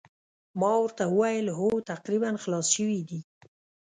ما ورته وویل هو تقریباً خلاص شوي دي.